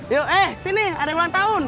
yuk eh sini ada yang ulang tahun